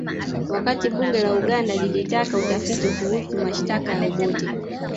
Wakati bunge la Uganda lilitaka utafiti kuhusu mashtaka ya Obote